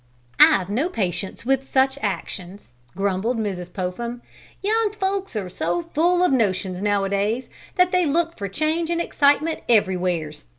"I've no patience with such actions!" grumbled Mrs. Popham. "Young folks are so full of notions nowadays that they look for change and excitement everywheres.